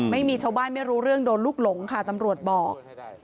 ไม่มีชาวบ้านไม่รู้เรื่องโดนลูกหลงค่ะตำรวจบอก